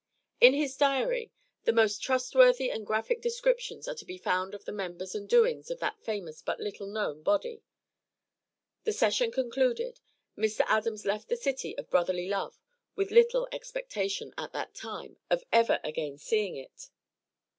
In his diary the most trustworthy and graphic descriptions are to be found of the members and doings of that famous but little known body. The session concluded, Mr. Adams left the city of brotherly love with little expectation, at that time, of ever again seeing it.